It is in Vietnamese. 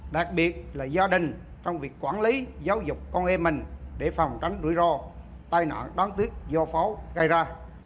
đặc biệt là gia đình trong việc quản lý giáo dục con em mình để phòng tránh rủi ro tai nạn đáng tiếc do pháo gây ra